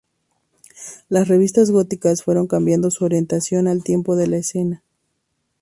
Las revistas góticas fueron cambiando su orientación al tiempo que la escena.